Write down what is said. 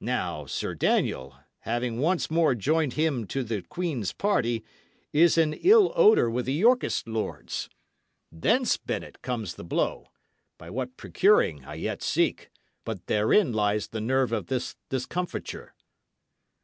Now, Sir Daniel, having once more joined him to the Queen's party, is in ill odour with the Yorkist lords. Thence, Bennet, comes the blow by what procuring, I yet seek; but therein lies the nerve of this discomfiture."